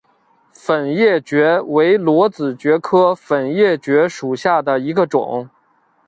粉叶蕨为裸子蕨科粉叶蕨属下的一个种。